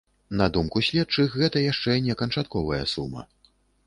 На думку следчых, гэта яшчэ не канчатковая сума.